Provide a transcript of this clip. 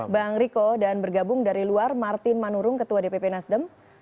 bang riko dan bergabung dari luar martin manurung ketua dpp nasdem